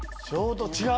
違う？